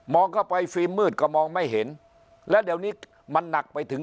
เข้าไปฟิล์มมืดก็มองไม่เห็นแล้วเดี๋ยวนี้มันหนักไปถึง